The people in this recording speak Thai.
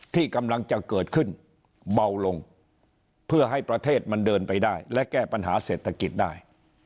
ที่กำลังจะเกิดขึ้นเบาลงเพื่อให้ประเทศมันเดินไปได้และแก้ปัญหาเศรษฐกิจได้